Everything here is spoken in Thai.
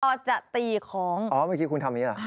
พอจะตีของอ๋อเมื่อกี้คุณทำอย่างนี้หรอ